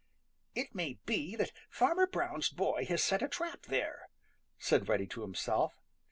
"It may be that Farmer Brown's boy has set a trap there," said Reddy to himself.